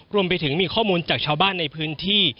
รวมไปถึงมีข้อมูลจากชาวบ้านในพื้นที่